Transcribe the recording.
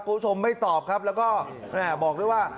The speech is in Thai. คุณผู้ชมไม่ตอบครับแล้วก็บอกด้วยว่า